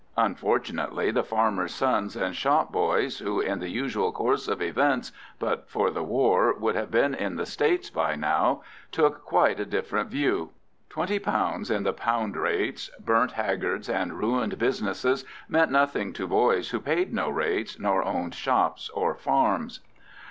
Unfortunately, the farmers' sons and shop boys, who, in the usual course of events, but for the war, would have been in the States by now, took quite a different view. £20 in the £ rates, burnt haggards, and ruined businesses meant nothing to boys who paid no rates nor owned shops or farms.